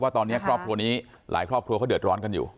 ตอนนี้ครอบครัวนี้หลายครอบครัวเขาเดือดร้อนกันอยู่